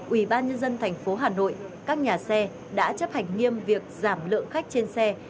ủy ban nhân dân thành phố hà nội các nhà xe đã chấp hành nghiêm việc giảm lượng khách trên xe để đảm bảo khoảng cách